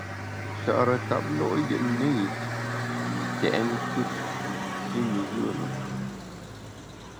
Nchare ntap lo’ yètne yi ntèt nkùt wiyi’shi ne yùe lùm.